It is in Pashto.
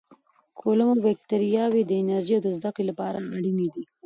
کولمو بکتریاوې د انرژۍ او زده کړې لپاره اړینې دي.